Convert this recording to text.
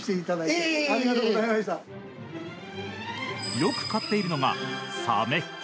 よく買っているのが、サメ。